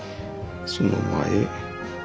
その前。